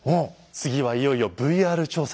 次はいよいよＶＲ調査です。